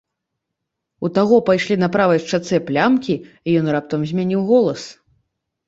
У таго пайшлі на правай шчацэ плямкі, і ён раптам змяніў голас.